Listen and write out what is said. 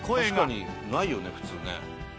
確かにないよね普通ね。